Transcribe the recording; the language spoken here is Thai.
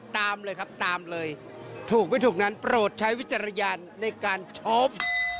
ตามเลยครับตามเลยถูกแบบนั้นแยกวิจารณ์ได้การชบ